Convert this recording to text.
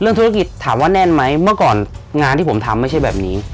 ธุรกิจถามว่าแน่นไหมเมื่อก่อนงานที่ผมทำไม่ใช่แบบนี้